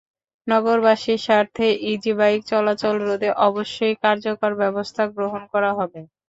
নগরবাসীর স্বার্থে ইজিবাইক চলাচল রোধে অবশ্যই কার্যকর ব্যবস্থা গ্রহণ করা হবে।